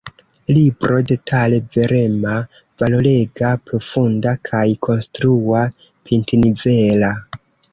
Libro detale verema, valorega, profunda kaj konstrua, pintnivela.